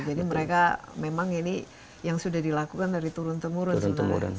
jadi mereka memang ini yang sudah dilakukan dari turun temurun